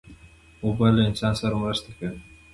اوبه له انسان سره مرسته کوي.